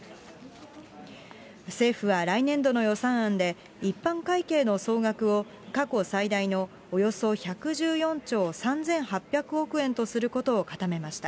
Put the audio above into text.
政府は来年度の予算案で、一般会計の総額を、過去最大のおよそ１１４兆３８００億円とすることを固めました。